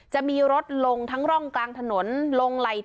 จะมีรถลงทั้งล่องกลางถนนลงไรทางชนต้นไม้เนี้ยหลายสิบต้น